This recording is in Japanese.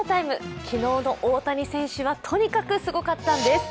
昨日の大谷選手はとにかくすごかったんです！